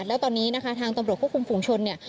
แล้วตอนนี้นะคะทางตำรวจควบคุมฝุงชนเนี่ย